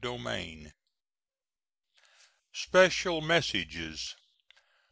GRANT. SPECIAL MESSAGES.